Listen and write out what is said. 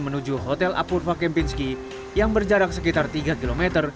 menuju hotel apurva kempinski yang berjarak sekitar tiga km